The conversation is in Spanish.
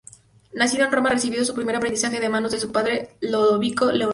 Nacido en Roma, recibió su primer aprendizaje de manos de su padre, Lodovico Leoni.